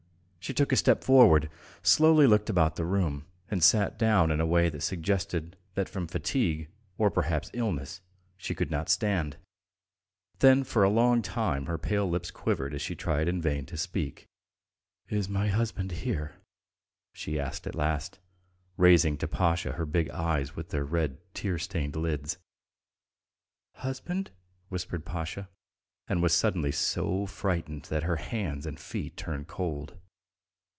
She took a step forward, slowly looked about the room, and sat down in a way that suggested that from fatigue, or perhaps illness, she could not stand; then for a long time her pale lips quivered as she tried in vain to speak. "Is my husband here?" she asked at last, raising to Pasha her big eyes with their red tear stained lids. "Husband?" whispered Pasha, and was suddenly so frightened that her hands and feet turned cold.